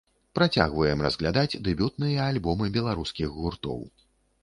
Працягваем разглядаць дэбютныя альбомы беларускіх гуртоў.